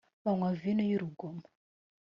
banywa vino y urugomo